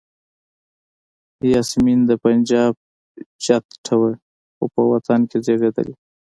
یاسمین د پنجاب جټه وه خو په وطن کې زیږېدلې.